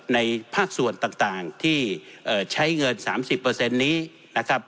ในภาคส่วนต่างต่างที่เอ่อใช้เงินสามสิบเปอร์เซ็นต์นี้นะครับ